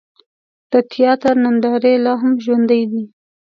د تیاتر نندارې لا هم ژوندۍ دي.